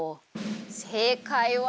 せいかいは。